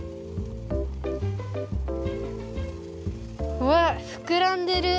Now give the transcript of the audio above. うわっふくらんでる！